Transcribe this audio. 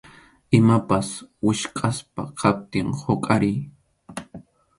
Imapas wichqʼasqa kaptin huqariy.